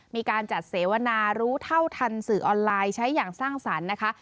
มีการจัดเสวนารู้เท่าทันสื่อออนไลน์ใช้อย่างสร้างสรรค์นะคะ